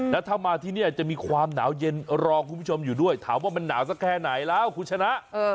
แล้วถ้ามาที่นี่จะมีความหนาวเย็นรอคุณผู้ชมอยู่ด้วยถามว่ามันหนาวสักแค่ไหนแล้วคุณชนะ